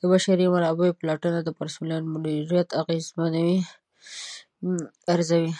د بشري منابعو پلټنه د پرسونل مدیریت اغیزمنتوب ارزوي.